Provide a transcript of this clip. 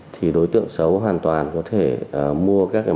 thì đối tượng xấu hoàn toàn có thể mua các cái